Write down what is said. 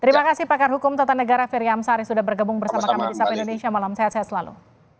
terima kasih pakar hukum tn firiam sari sudah bergabung bersama kami di sabi indonesia malam sehat selalu